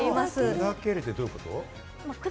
くだけるってどういうこと？